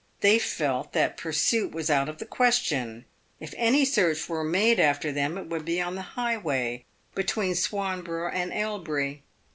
They felt that pursuit was out of the ques tion. If any search were made after them it would be on the high way, between Swanborough and Elbury.